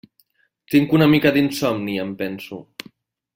Tinc una mica d'insomni, em penso.